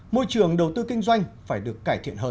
môi trường đầu tư kinh doanh phải được cải thiện hơn